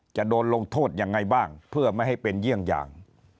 จะโดนลงโทษยังไงบ้างเพื่อไม่ให้เป็นเยี่ยงอย่าง